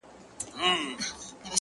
بيا به نعرې وهې چي شر دی زما زړه پر لمبو